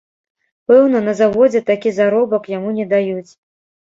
Пэўна, на заводзе такі заробак яму не даюць.